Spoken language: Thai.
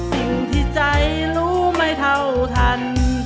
สิ่งที่ใจรู้ไม่เท่าทัน